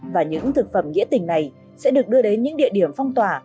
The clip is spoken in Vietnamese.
và những thực phẩm nghĩa tình này sẽ được đưa đến những địa điểm phong tỏa